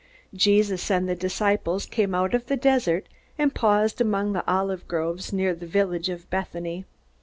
'" Jesus and the disciples came out of the desert, and paused among the olive groves near the village of Bethany.